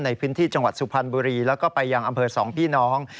ในพื้นที่จังหวัดสุพรรณบุรีแล้วก็ไปยังอำเภอสองพี่น้อง